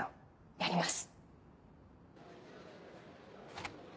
やります。